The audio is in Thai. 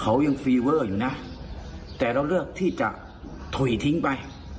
เขายังฟีเวอร์อยู่นะแต่เราเลือกที่จะถอยทิ้งไป